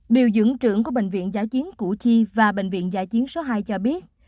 điều dưỡng trưởng của bệnh viện giải chiến củ chi và bệnh viện giải chiến số hai cho biết